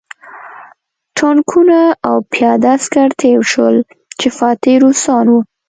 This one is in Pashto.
ټانکونه او پیاده عسکر تېر شول چې فاتح روسان وو